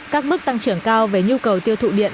các mức tăng trưởng cao về nhu cầu tiêu thụ điện